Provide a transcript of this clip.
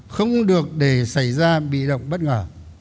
không được để xảy ra bị động bất ngờ